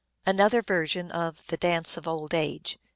Another Version of the Dance of Old Age.